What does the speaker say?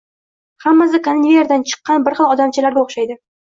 Hammasi konveyerdan chiqqan bir xil odamchalarga o‘xshaydi.